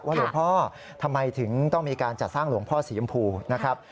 หลวงพ่อทำไมถึงต้องมีการจัดสร้างหลวงพ่อสีชมพูนะครับ